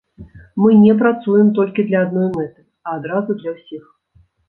Мы не працуем толькі для адной мэты, а адразу для ўсіх.